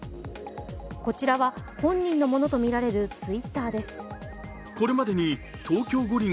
こちらは本人のものとみられるＴｗｉｔｔｅｒです。